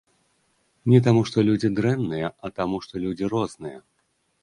Не таму, што людзі дрэнныя, а таму, што людзі розныя.